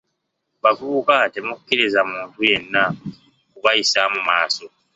Abavubuka temukkiriza muntu yenna kubayisaamu maaso.